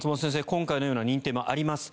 今回のような認定もあります。